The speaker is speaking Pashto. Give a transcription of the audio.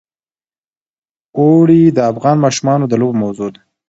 اوړي د افغان ماشومانو د لوبو موضوع ده.